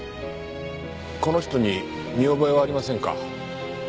この人に見覚えはありませんか？